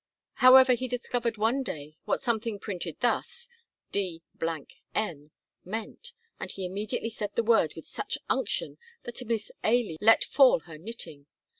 However, he discovered one day what something printed thus, "D n," meant, and he immediately said the word with such unction that Miss Ailie let fall her knitting.